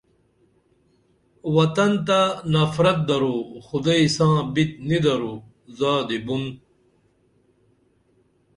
وتن تہ نفرت درو خُدئے ساں بِت نی درو زادی بُن